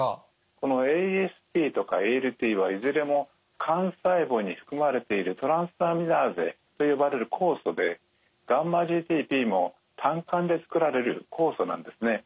このＡＳＴとかＡＬＴはいずれも肝細胞に含まれているトランスアミナーゼと呼ばれる酵素でγ−ＧＴＰも胆管でつくられる酵素なんですね。